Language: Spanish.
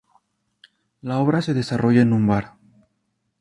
La obra se desarrolla en un bar.